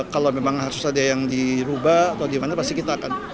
kalau memang asosiasi ada yang dirubah atau di mana pasti kita akan